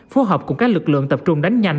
phối hợp cùng các lực lượng tập trung đánh nhanh